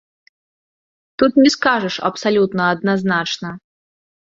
Тут не скажаш абсалютна адназначна.